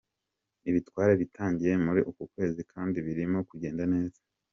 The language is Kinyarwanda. Ibi twarabitangiye muri uku kwezi kandi birimo kugenda neza.